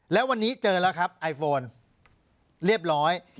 แล้ววันนี้เจอแล้วครับไอโฟนเรียบร้อย